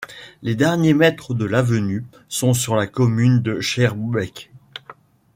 Les derniers mètres de l'avenue sont sur la commune de Schaerbeek.